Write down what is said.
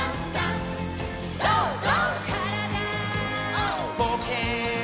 「からだぼうけん」